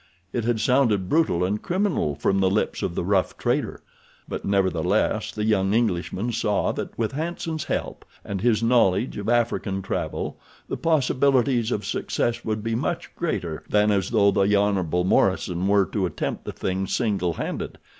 It had sounded brutal and criminal from the lips of the rough trader; but nevertheless the young Englishman saw that with Hanson's help and his knowledge of African travel the possibilities of success would be much greater than as though the Hon. Morison were to attempt the thing single handed.